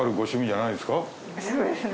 そうですね。